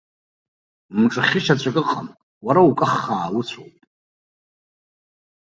Мҿы хьышьаҵәык ыҟам, уара укаххаа уцәоуп.